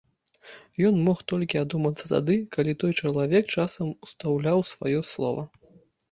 Ён мог толькі адумацца тады, калі той чалавек часам устаўляў сваё слова.